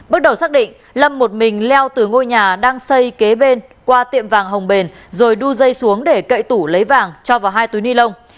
bước đầu xác định lâm một mình leo từ ngôi nhà đang xây kế bên qua tiệm vàng hồng bền rồi đu dây xuống để cậy tủ lấy vàng cho vào hai túi ni lông